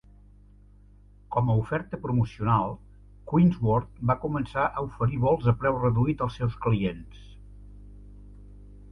Com a oferta promocional, Quinnsworth va començar a oferir vols a preu reduït als seus clients.